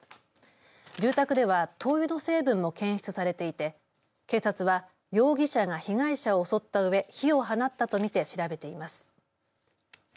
住宅では灯油の成分も検出されていて警察は容疑者が被害者を襲ったうえ火を放ったと見て調べています。